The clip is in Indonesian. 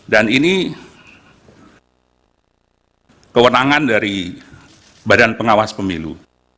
dan ini kewenangan dari badan pengawas pemilu